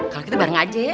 kalau kita bareng aja ya